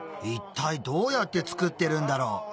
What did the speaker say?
一体どうやって作ってるんだろう？